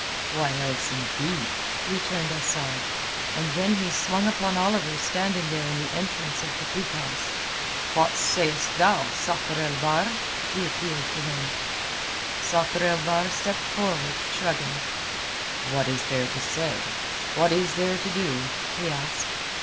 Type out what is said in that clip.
"Why else, indeed?" returned Asad, and then he swung upon Oliver standing there in the entrance of the poop house. "What sayest thou, Sakr el Bahr?" he appealed to him. Sakr el Bahr stepped forward, shrugging. "What is there to say? What is there to do?" he asked.